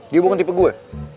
dia bukan tipe gue